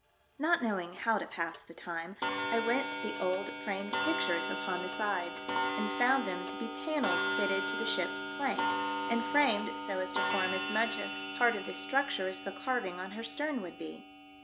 Not knowing how to pass the time, I went to the old, framed pictures upon the sides, and found them to be panels fitted to the ship's plank, and framed so as to form as much a part of the structure as the carving on her stern would be.